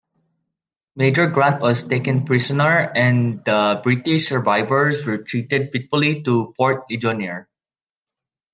Major Grant was taken prisoner and the British survivors retreated fitfully to Fort Ligonier.